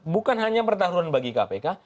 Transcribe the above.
bukan hanya pertaruhan bagi kpk